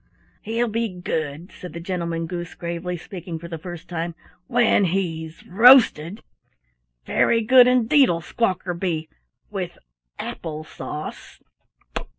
"He'll be good," said the Gentleman Goose gravely, speaking for the first time, "when he's roasted. Very good indeed'll Squawker be with apple sauce!"